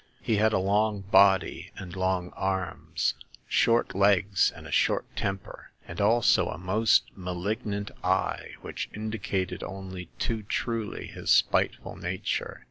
He had a long body and long arms, short legs and a short temper, and also a most malignant eye, which indicated only too truly his spiteful nature.